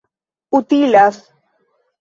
utilas